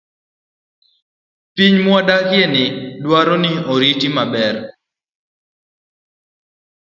Piny mwadakieni dwaro ni orit maber.